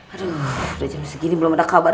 aduh udah jam segini belum ada kabar